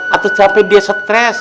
atau sampai dia stress